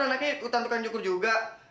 anaknya jatuh kangen nyukur juga